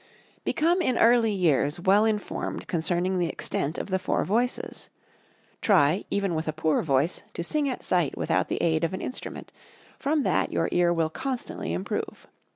"Become in early years well informed concerning the extent of the four voices. "Try, even with a poor voice, to sing at sight without the aid of an instrument; from that your ear will constantly improve.